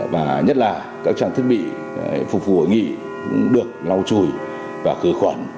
và nhất là các trang thiết bị phục vụ hội nghị cũng được lau chùi và khứa khoản